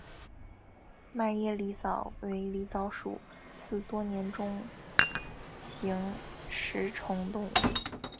迈耶狸藻为狸藻属似多年中型食虫植物。